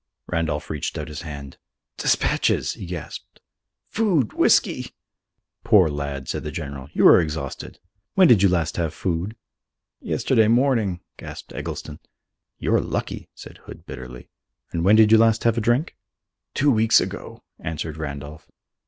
Randolph reached out his hand. "Despatches!" he gasped. "Food, whisky!" "Poor lad," said the General, "you are exhausted. When did you last have food?" "Yesterday morning," gasped Eggleston. "You're lucky," said Hood bitterly. "And when did you last have a drink?" "Two weeks ago," answered Randolph.